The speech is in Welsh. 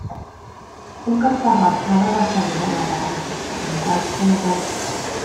Ymgorfforodd llawer o'r llefydd a welodd ar ei theithiau yn ei gwaith llenyddol.